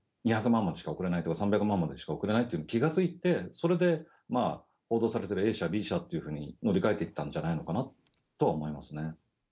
２００万円までしか送れないとか３００万までしか送れないというのに気が付いて、それで報道されてるＡ社、Ｂ社というふうに乗り換えていったんじゃないかのかなとは思いますね。